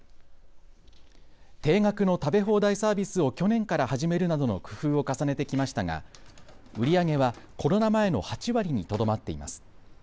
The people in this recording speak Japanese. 定額の食べ放題サービスを去年から始めるなどの工夫を重ねてきましたが売り上げはコロナ前の８割にとどまっています。